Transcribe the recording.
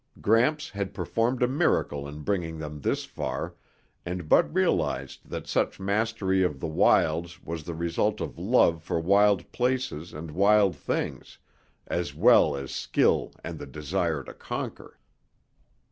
Gramps had performed a miracle in bringing them this far, and Bud realized that such mastery of the wilds was the result of love for wild places and wild things as well as skill and the desire to conquer.